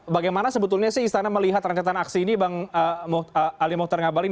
bagaimana sebetulnya sih istana melihat rencana aksi ini bang menolak